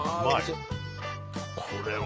これは。